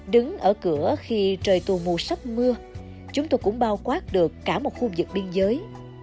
đứng ở cửa khi trời tù mù sắp mưa chúng tôi cũng bao quát được cả một khu vực biên giới